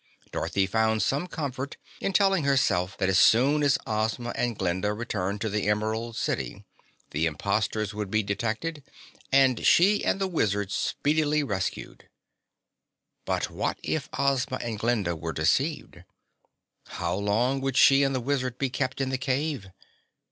Dorothy found some comfort in telling herself that as soon as Ozma and Glinda returned to the Emerald City the imposters would be detected and she and the Wizard speedily rescued. But what if Ozma and Glinda were deceived? How long would she and the Wizard be kept in the cave?